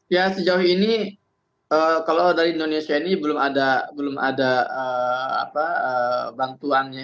ya sejauh ini kalau dari indonesia ini belum ada bantuannya